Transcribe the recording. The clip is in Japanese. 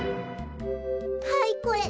はいこれ。